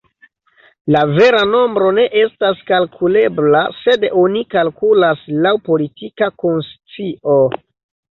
La vera nombro ne estas kalkulebla, sed oni kalkulas laŭ politika konscio.